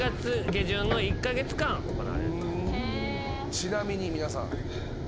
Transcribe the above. ちなみに皆さん。